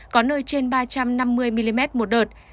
có nơi trên ba trăm năm mươi mm một đợt